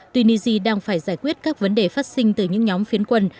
tunisia đang phải giải quyết các vấn đề phát sinh từ những nhóm phiến quân